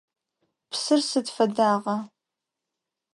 Псыр сыд фэдагъа?